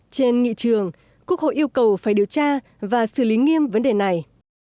trên nghị trường quốc hội yêu cầu phải điều tra và xử lý nghiêm vấn đề này